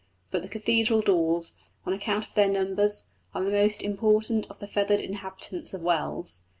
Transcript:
But the cathedral daws, on account of their numbers, are the most important of the feathered inhabitants of Wells.